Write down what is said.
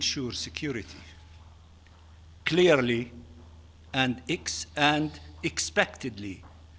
ketua dan kementerian kesehatan palestina menyebutkan perang tersebut sebagai perang tersebut